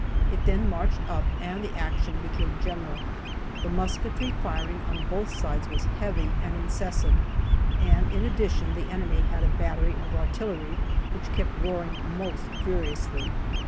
It then marched up, and the action became general. The musketry firing on both sides was heavy and incessant, and, in addition, the enemy had a battery of artillery, which kept roaring most furiously.